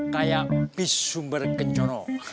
kayak bis sumber kencono